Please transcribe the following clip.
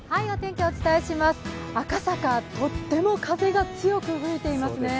赤坂、とっても風が強く吹いていますね。